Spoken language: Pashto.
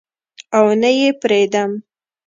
او نه یې پریدم